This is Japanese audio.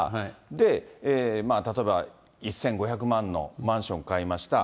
で、例えば１５００万のマンション買いました。